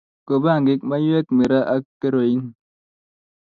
ku bangik, maywek, miraa ak keroin